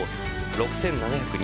６７０２